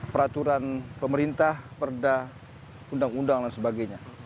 peraturan pemerintah perda undang undang dan sebagainya